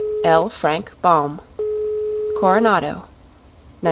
L. FRANK BAUM Coronado, 1909.